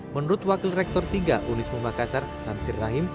menurut wakil rektor tiga unismu makassar samsir rahim